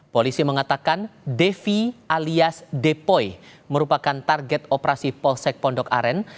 polisi mengatakan devi alias depoi merupakan target operasi polsek pondok aren